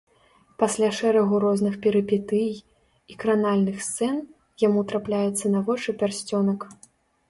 Пасля шэрагу розных перыпетый і кранальных сцэн яму трапляецца на вочы пярсцёнак.